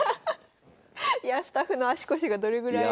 スタッフの足腰がどれぐらい。